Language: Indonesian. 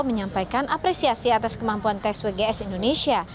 menyampaikan apresiasi atas kemampuan tes wgs indonesia